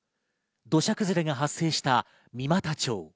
土砂崩れが発生した三股町。